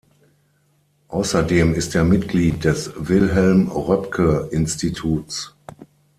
Außerdem ist er Mitglied des Wilhelm-Röpke-Instituts.